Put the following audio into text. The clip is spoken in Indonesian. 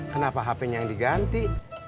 kenapa hpnya yang diganti